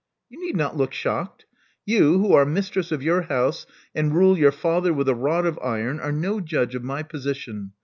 You need not look shocked. You, who are mistress of your house, and rule your father with a rod of iron, are no judge of my position.